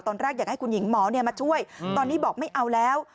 ตอนแรกอยากให้คุณหญิงหมอมาช่วยตอนนี้บอกไม่เอาแล้ว